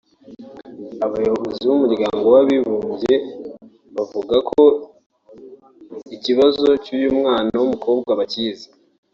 Abayobozi b’Umuryango w’Abibumbye bavuga ko ikibazo cy’uyu mwana w’umukobwa bakizi